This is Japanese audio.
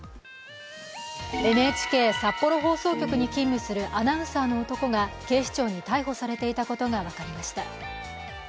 ＮＨＫ札幌放送局に勤務するアナウンサーの男が警視庁に逮捕されていたことが分かりました。